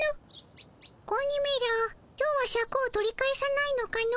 今日はシャクを取り返さないのかの？